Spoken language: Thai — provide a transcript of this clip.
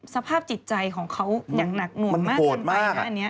สภาพจิตใจของเขาอย่างหนักหน่วงมากเกินไปนะอันนี้